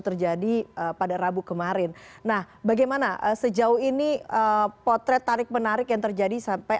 terjadi pada rabu kemarin nah bagaimana sejauh ini potret tarik menarik yang terjadi sampai